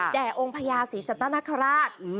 แด่องค์พญาสีสัตว์นักฮราช